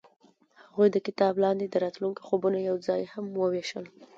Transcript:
هغوی د کتاب لاندې د راتلونکي خوبونه یوځای هم وویشل.